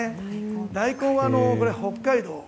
大根は、北海道。